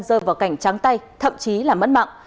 rơi vào cảnh trắng tay thậm chí là mất mạng